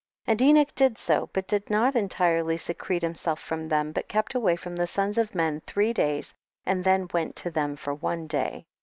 18. And Enoch did so, but did not entirely secrete himself from them, but kept away from the sons of men three days and then went to them for one dav.